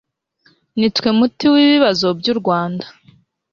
nitwe muti w'ibibazo by'urwanda